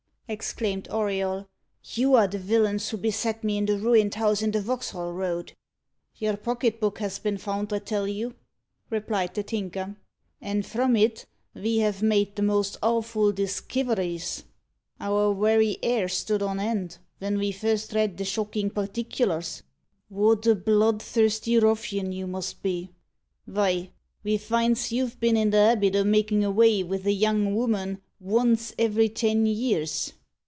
exclaimed Auriol. "You are the villains who beset me in the ruined house in the Vauxhall Road." "Your pocket book has been found, I tell you," replied the Tinker, "and from it ve have made the most awful diskiveries. Our werry 'air stood on end ven ve first read the shockin' particulars. What a bloodthirsty ruffian you must be! Vy, ve finds you've been i' the habit o' makin' avay with a young ooman vonce every ten years.